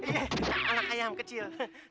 iya anak ayam kecil